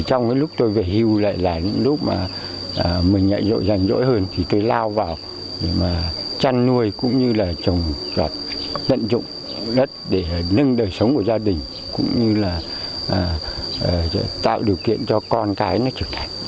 trong lúc tôi về hưu là lúc mình dội dàng dỗi hơn thì tôi lao vào chăn nuôi cũng như là trồng gọt dẫn dụng đất để nâng đời sống của gia đình